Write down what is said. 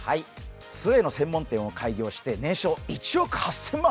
つえの専門店を開業して年商１億８０００万。